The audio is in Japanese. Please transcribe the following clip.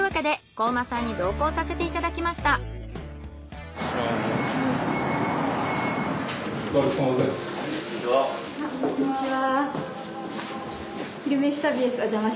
こんにちは。